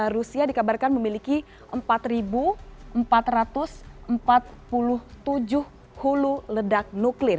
rusia dikabarkan memiliki empat empat ratus empat puluh tujuh hulu ledak nuklir